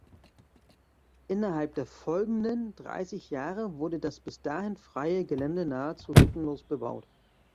Innerhalb der folgenden dreißig Jahre wurde das bis dahin freie Gelände nahezu lückenlos bebaut.